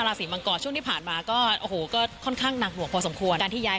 ตอนนี้ก็จะเริ่มประสบความสำเร็จได้เรื่อย